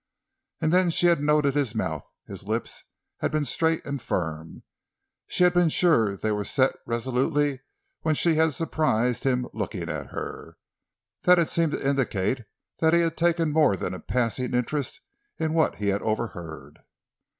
And then she had noted his mouth; his lips had been straight and firm; she had been sure they were set resolutely when she had surprised him looking at her. That had seemed to indicate that he had taken more than a passing interest in what he had overheard.